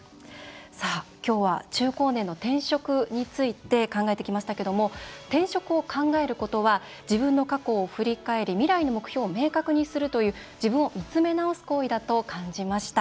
今日は、中高年の転職について考えてきましたけど転職を考えることは自分の過去を振り返り未来の目標を明確にするという自分を見つめ直す行為だと感じました。